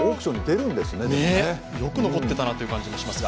よく残っていたなという感じですが。